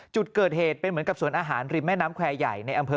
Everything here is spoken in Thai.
จุดเกิดเหตุเป็นเหมือนกับสวนอาหารริมแม่น้ำแควร์ใหญ่ในอำเภอ